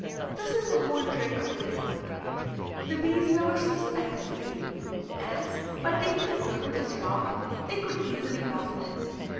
This is the whole trick of the bee hunter. The bees never suspect his game, else by taking a circuitous route they could easily baffle him.